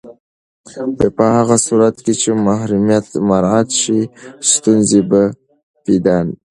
په هغه صورت کې چې محرمیت مراعت شي، ستونزې به پیدا نه شي.